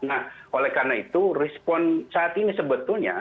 nah oleh karena itu respon saat ini sebetulnya